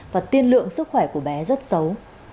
và tiên lượng sức khỏe của bé rất xấu